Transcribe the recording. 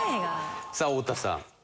さあ太田さん。